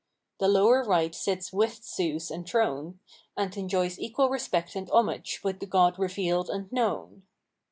The lower right sits with Zeus enthroned, and enjoys equal respect a.TiH homage with the god revealed and known.